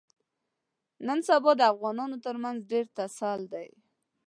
نن سبا د افغانانو ترمنځ ډېر ټسل دی.